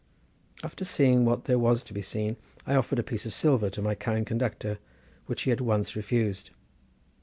After seeing what there was to be seen, I offered a piece of silver to my kind conductor, which he at once refused.